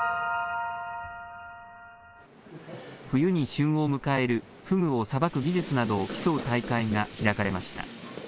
冬に旬を迎えるふぐをさばく技術などを競う大会が開かれました。